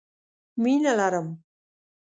مينه لرم